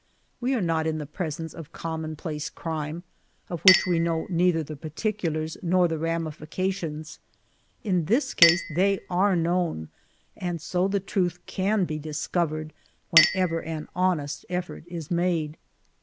We are not in the presence of a commonplace crime, of which we know neither the particulars nor the ramifications. In this case they are known, and so the truth can be discovered when ever an honest effiDrt is made.